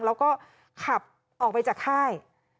แล้วก็ขับออกไปจากค่าย